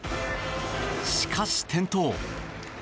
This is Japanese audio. しかし、転倒。